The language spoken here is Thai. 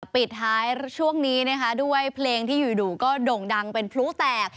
ปิดท้ายช่วงนี้นะคะด้วยเพลงที่อยู่ก็โด่งดังเป็นพลุแตก